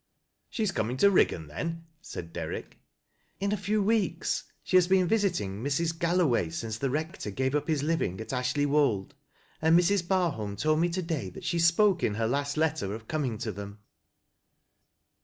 " She is coming to Riggan then ?" said Derrick. " In a few weeks. She has been vijiting Mrs. Gallo A X.IFFIGULT CASE. 9 way since the liector gaye up hie living at Ashley wol Je, and Mrs. Barholm told me to day that she spoke in her last letter of coming to them."